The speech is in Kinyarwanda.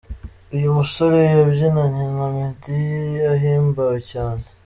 Uyu musore yabyinanye na Meddy ahimbawe cyane.